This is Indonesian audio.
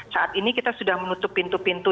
saat ini kita sudah menutup pintu pintu